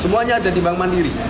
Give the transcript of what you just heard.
semuanya ada di bank mandiri